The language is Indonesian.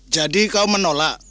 jadi kau menolak